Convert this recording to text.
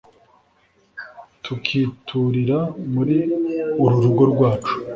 tukiturira muri uru rugo rwacu